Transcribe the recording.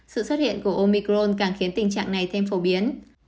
sự xuất hiện của omicron càng khiến tình trạng này thêm phổ biến